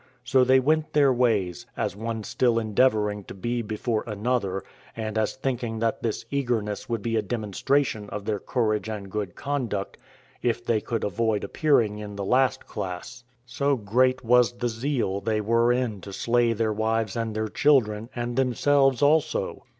So they went their ways, as one still endeavoring to be before another, and as thinking that this eagerness would be a demonstration of their courage and good conduct, if they could avoid appearing in the last class; so great was the zeal they were in to slay their wives and children, and themselves also!